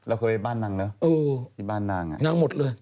เราเคยไปบ้านนางด้วย